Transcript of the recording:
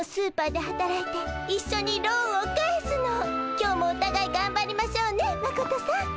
今日もおたがいがんばりましょうねマコトさん。